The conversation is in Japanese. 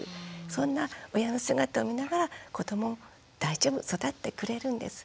そんな親の姿を見ながら子ども大丈夫育ってくれるんです。